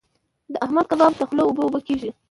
د احمد کباب ته خوله اوبه اوبه کېږي.